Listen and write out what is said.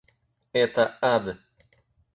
Это — ад!